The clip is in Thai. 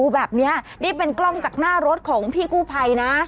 แบบนี้นี่เป็นกล้องจากหน้ารถของพี่กู้ภัยนะ